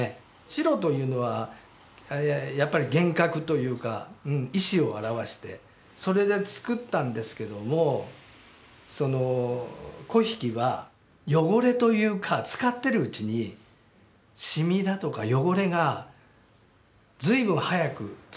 白というのはやっぱり厳格というか意思を表してそれで作ったんですけどもその粉引は汚れというか使ってるうちに染みだとか汚れが随分早くついちゃうんですよ。